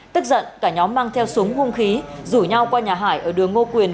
tức giận cả nhóm mang theo súng hung khí rủ nhau qua nhà hải ở đường ngô quyền